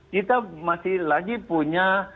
kita masih lagi punya